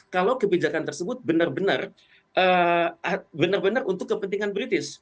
kalau kebijakan tersebut benar benar untuk kepentingan british